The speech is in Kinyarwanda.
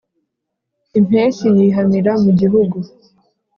impeshyi yihamira mu gihugu